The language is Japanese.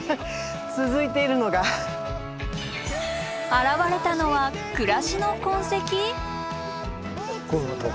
現れたのは暮らしの痕跡！？